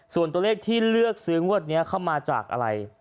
ส่วนตัวเลขที่เลือกซื้องวดนี้เข้ามาจากอะไร